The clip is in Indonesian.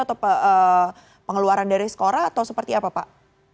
atau pengeluaran dari skora atau seperti apa pak